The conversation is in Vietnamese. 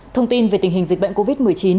thông tin về tình hình dịch bệnh covid một mươi chín